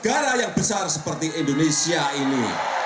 negara yang besar seperti indonesia ini